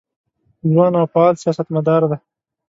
ځوان او فعال سیاستمدار دی.